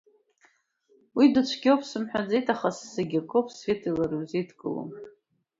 Уи дыцәгьоуп сымҳәаӡеит, аха зегьакоуп Светеи лареи узеидкылом.